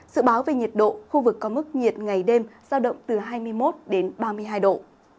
dự báo về nhiệt độ khu vực có mức nhiệt ngày đêm sao động từ hai mươi một ba mươi hai độ